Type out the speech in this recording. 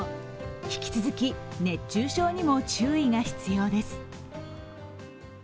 引き続き熱中症にも注意が必要です。